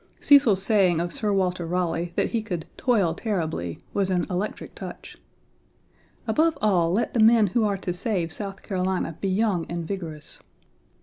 Cecil's saying of Sir Walter Raleigh that he could "toil terribly" was an electric touch. Above all, let the men who are to save South Carolina be young and vigorous.